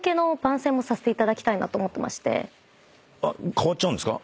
変わっちゃうんですか？